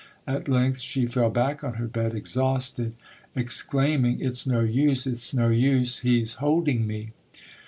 At length she fell back on her bed exhausted, exclaiming!" "It's no use, it's no use! He's holding me!"